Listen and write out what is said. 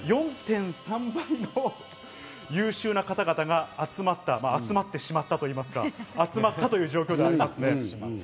４．３倍の優秀な方々が集まった、集まってしまったといいますかという状況であります。